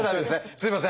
すいません！